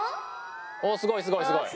おすごいすごいすごい。